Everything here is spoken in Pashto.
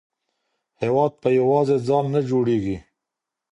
هېواد په یوازې ځان نه جوړیږي.